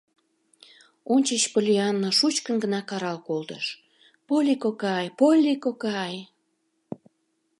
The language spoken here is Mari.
Ончыч Поллианна шучкын гына карал колтыш: «Полли кокай, Полли кокай!»